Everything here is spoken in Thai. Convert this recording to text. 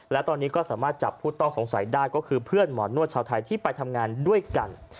และตอนนี้ก็สามารถจับผู้ต้องสงสัยได้ก็คือเพื่อนหมอนวดชาวไทยที่ไปทำงานด้วยกัน